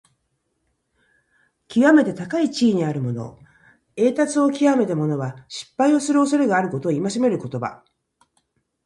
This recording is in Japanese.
きわめて高い地位にあるもの、栄達をきわめた者は、失敗をするおそれがあることを戒める言葉。